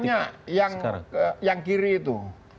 saya mau tanya yang kiri itu